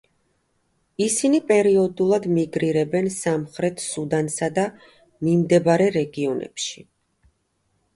ისინი პერიოდულად მიგრირებენ სამხრეთ სუდანსა და მიმდებარე რეგიონებში.